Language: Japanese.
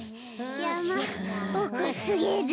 やまおくすぎる。